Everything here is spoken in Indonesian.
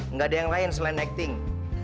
nggak ada yang lain selain acting